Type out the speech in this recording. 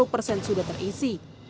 lima puluh persen sudah terisi